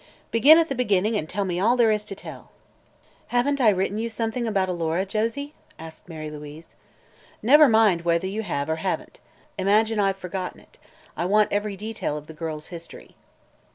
Begin at the beginning and tell me all there is to tell." "Haven't I written you something about Alora, Josie?" asked Mary Louise. "Never mind whether you have or haven't. Imagine I've forgotten it. I want every detail of the girl's history."